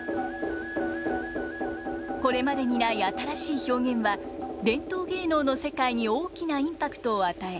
これまでにない新しい表現は伝統芸能の世界に大きなインパクトを与え